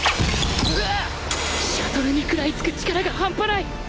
シャトルに食らいつく力がハンパない！